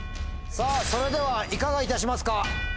さぁそれではいかがいたしますか？